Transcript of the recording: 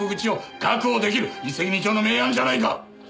一石二鳥の名案じゃないか！